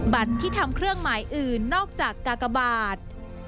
ที่ทำเครื่องหมายอื่นนอกจากกากบาท